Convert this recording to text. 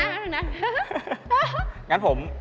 อันหนึ่งนะอันหนึ่งนะ